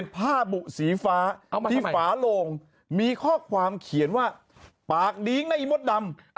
ผ้าบุสีฟ้าที่ฝาโลงมีข้อความเขียนว่าปากดี้งนะอีมดดำ